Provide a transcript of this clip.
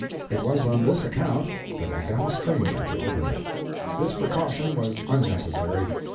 It was on this account that we got a stranger to open it. This precaution was unnecessary.